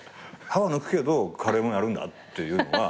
歯を抜くけどカレーもやるんだっていうのが。